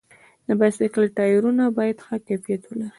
د بایسکل ټایرونه باید ښه کیفیت ولري.